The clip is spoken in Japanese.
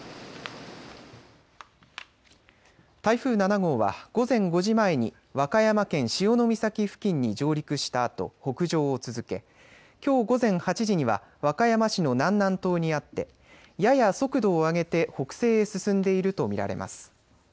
台風７号は午前５時前に和歌山県潮岬付近に上陸したあと北上を続け、きょう午前８時には和歌山市の南南東にあってやや速度を上げて北西へ進んでいると見られます。